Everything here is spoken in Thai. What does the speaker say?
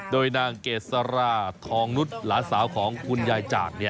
โดยนางเกษราทองนุษย์หลานสาวของคุณยายจาก